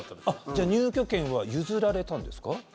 じゃあ入居権は譲られたんですか？